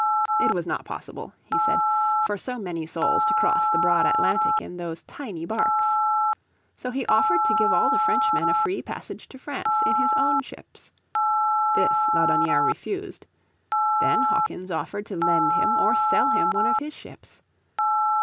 "It was not possible," he said, "for so many souls to cross the broad Atlantic in those tiny barques." So he offered to give all the Frenchmen a free passage to France in his own ships. This Laudonnière refused. Then Hawkins offered to lend him, or sell him, one of his ships.